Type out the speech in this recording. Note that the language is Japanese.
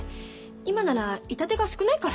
今なら痛手が少ないから。